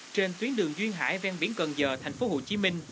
trên tuyến đường duyên hải ven biển cần giờ thành phố hồ chí minh